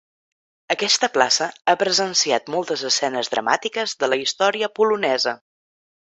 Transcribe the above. Aquesta plaça ha presenciat moltes escenes dramàtiques de la història polonesa.